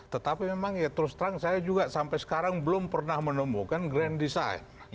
tetapi memang ya terus terang saya juga sampai sekarang belum pernah menemukan grand design